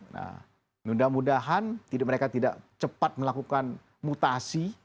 nah mudah mudahan mereka tidak cepat melakukan mutasi